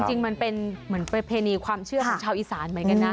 จริงมันเป็นเหมือนประเพณีความเชื่อของชาวอีสานเหมือนกันนะ